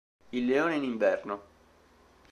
Il leone in inverno